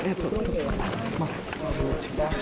หลังจากที่สุดยอดเย็นหลังจากที่สุดยอดเย็น